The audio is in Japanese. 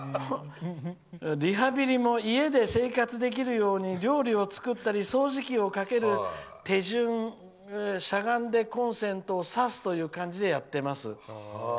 「リハビリも家で生活できるように料理を作ったり掃除機をかける手順をしゃがんでコンセントを挿すという感じでやってます。